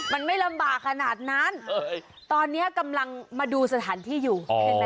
มันไม่ลำบากขนาดนั้นตอนนี้กำลังมาดูสถานที่อยู่ใช่ไหม